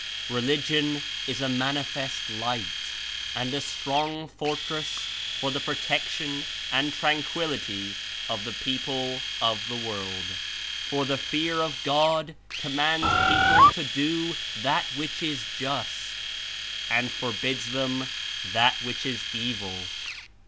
Religion Is a manifest light and a strong fortress for the protection and tranquillity of the peo ple of the world. For the fear of God commands people to do that which Is just and forbids them that which Is evil.